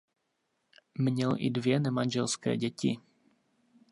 Měl i dvě nemanželské děti.